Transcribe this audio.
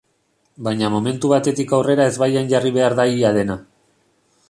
Baina momentu batetik aurrera ezbaian jarri behar da ia dena.